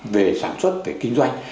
về sản xuất về kinh doanh